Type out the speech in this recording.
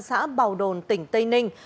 xã bào đồn tỉnh tây ninh